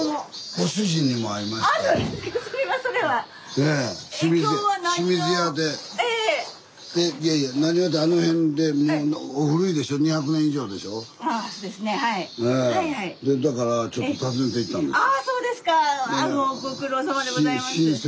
ご苦労さまでございます。